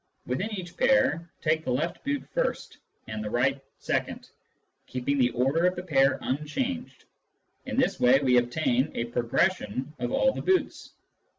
Within each pair, take the left boot first and the right second, keeping the order of the pair unchanged ; in this way we obtain a progression of all the boots.